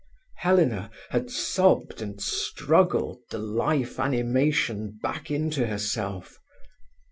Helena had sobbed and struggled the life animation back into herself.